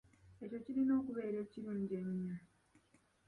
Ekyo kirina okubeera ekirungi ennyo.